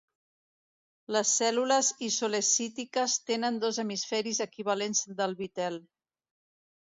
Les cèl·lules isolecítiques tenen dos hemisferis equivalents del vitel.